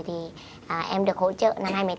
thì em được hỗ trợ năm hai nghìn một mươi tám